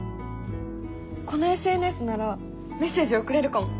このＳＮＳならメッセージ送れるかも！